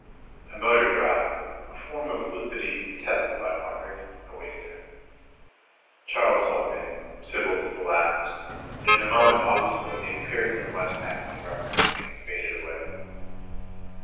A motor drive, a form of felicity detested by Margaret, awaited her. Charles saw them in, civil to the last, and in a moment the offices of the Imperial and West African Rubber Company faded away.